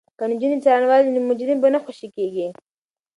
که نجونې څارنوالې وي نو مجرم به نه خوشې کیږي.